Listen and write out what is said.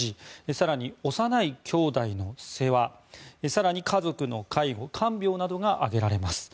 更に、幼いきょうだいの世話更に家族の介護・看病などが挙げられます。